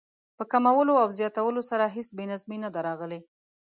په کمولو او زیاتولو سره هېڅ بې نظمي نه ده راغلې.